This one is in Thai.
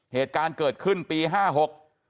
เหตุการณ์เกิดขึ้นปีห้าหก